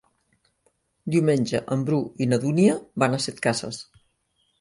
Diumenge en Bru i na Dúnia van a Setcases.